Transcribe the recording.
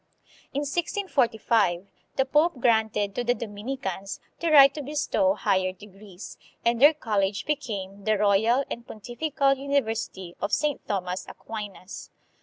THE DUTCH AND MORO WARS. 1600 1663. 205 In 1645 the pope granted to the Dominicans the right to bestow higher degrees, and their college became the " Royal and Pontifical University of Saint Thomas Aquinas."